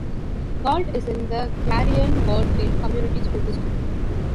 Galt is in the Clarion-Goldfield Community School District.